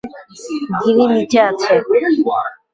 গিরি নিচে আছে।